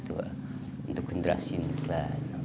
untuk generasi muda